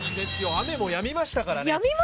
雨もやみましたからね。